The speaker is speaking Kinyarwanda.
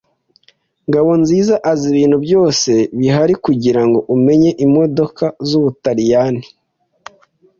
Ngabonziza azi ibintu byose bihari kugirango umenye imodoka zubutaliyani.